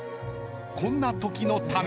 ［こんなときのため］